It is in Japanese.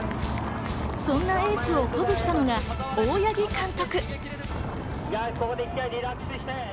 そんなエースを鼓舞したのが大八木監督。